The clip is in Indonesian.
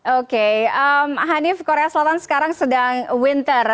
oke hanif korea selatan sekarang sedang winter